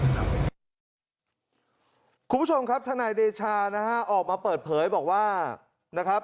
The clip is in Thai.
คุณผู้ชมครับทนายเดชานะฮะออกมาเปิดเผยบอกว่านะครับ